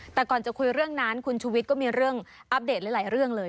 แต่ก่อนจะคุยเรื่องนั้นคุณชุวิตก็มีเรื่องอัปเดตหลายเรื่องเลย